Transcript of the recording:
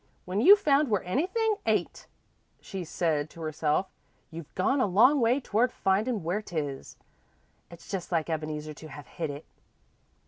"When you've found where anythin' ain't," she said to herself, "you've gone a long way toward findin' where 't is. It's just like Ebeneezer to have hid it."